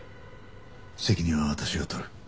責任は私が取る。